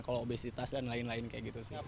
kalau obesitas dan lain lain kayak gitu sih